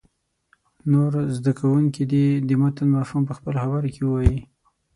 نور زده کوونکي دې د متن مفهوم په خپلو خبرو کې ووایي.